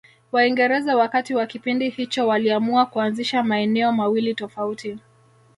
Waingereza wakati wa kipindi hicho waliamua kuanzisha maeneo mawili tofauti